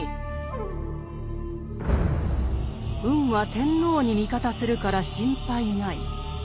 運は天皇に味方するから心配ない。